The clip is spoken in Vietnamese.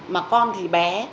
mà con thì bé